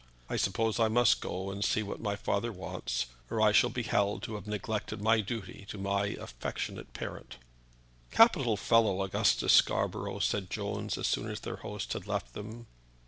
I suppose I must go and see what my father wants, or I shall be held to have neglected my duty to my affectionate parent." "Capital fellow, Augustus Scarborough," said Jones, as soon as their host had left them.